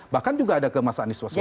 bahkan juga ada ke mas anies wasman